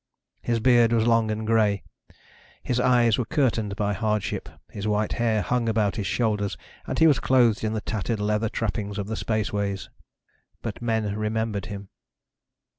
His beard was long and gray, his eyes were curtained by hardship, his white hair hung about his shoulders and he was clothed in the tattered leather trappings of the spaceways. But men remembered him.